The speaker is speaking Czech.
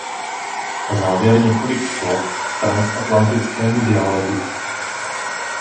Na závěr několik slov k transatlantickému dialogu.